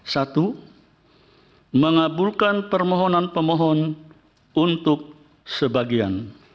satu mengabulkan permohonan pemohon untuk sebagian